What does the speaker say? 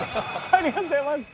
ありがとうございます。